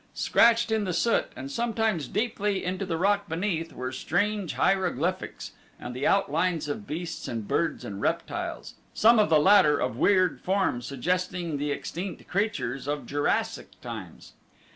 Scratched in the soot, and sometimes deeply into the rock beneath, were strange hieroglyphics and the outlines of beasts and birds and reptiles, some of the latter of weird form suggesting the extinct creatures of Jurassic times.